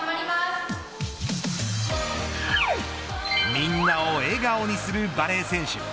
みんなを笑顔にするバレー選手。